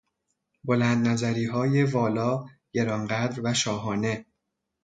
بلندنظریهای والا، گرانقدر و شاهانه